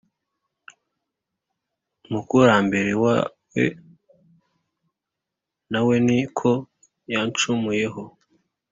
umukurambere wawe, na we ni ko yancumuyeho,